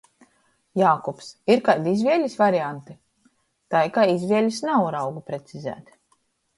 Jākubs: "Ir kaidi izvielis varianti?" Tai kai izvielis nav, raugu precizēt.